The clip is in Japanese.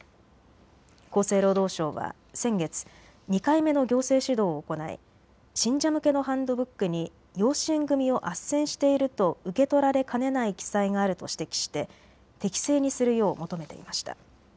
厚生労働省は先月、２回目の行政指導を行い信者向けのハンドブックに養子縁組みをあっせんしていると受け取られかねない記載があると指摘して、適正にするよう求めていました。